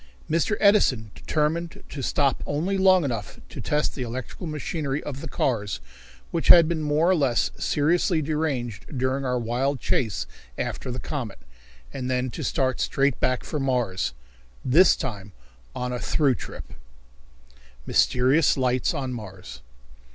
Mr. Edison determined to stop only long enough to test the electrical machinery of the cars, which had been more or less seriously deranged during our wild chase after the comet, and then to start straight back for Mars this time on a through trip. Mysterious Lights on Mars.